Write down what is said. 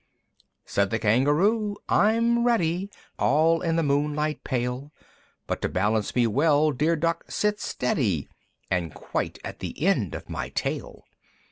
V. Said the Kangaroo, "I'm ready! All in the moonlight pale; But to balance me well, dear Duck, sit steady! And quite at the end of my tail!"